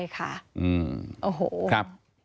ใช่ค่ะ